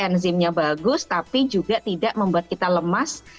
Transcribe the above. enzimnya bagus tapi juga tidak membuat kita lemas